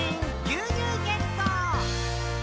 「牛乳ゲット！」